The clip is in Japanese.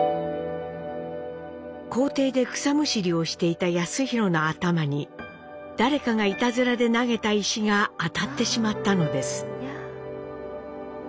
校庭で草むしりをしていた康宏の頭に誰かがいたずらで投げた石が当たってしまったのです。